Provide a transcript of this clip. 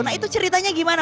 nah itu ceritanya gimana